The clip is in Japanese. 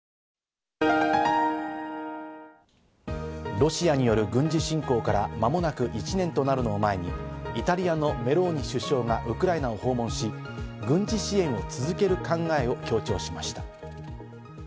ロシアによる軍事侵攻から間もなく１年となるのを前に、イタリアのメローニ首相がウクライナを訪問し、軍事支援を続ける考えを強調しました。